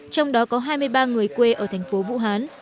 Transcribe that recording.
trong đó có hai mươi ba người quê ở tp vũ hán